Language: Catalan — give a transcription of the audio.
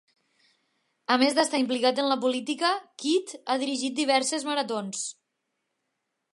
A més d'estar implicat en la política, Kitt ha dirigit diverses maratons.